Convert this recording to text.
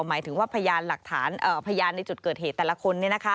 หมายถึงว่าพยานหลักฐานพยานในจุดเกิดเหตุแต่ละคน